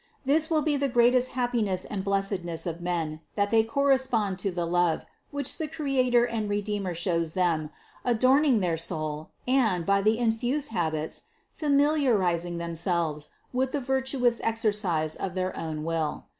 This will be the greatest hap piness and blessedness of men, that they correspond to the love, which the Creator and Redeemer shows them, adorning their soul and, by the infused habits, familiariz ing themselves with the virtuous exercise of their own will.